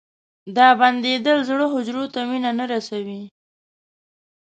دا بندېدل زړه حجرو ته وینه نه رسوي.